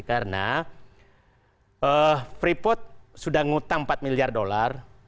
karena freeport sudah ngutang empat miliar dolar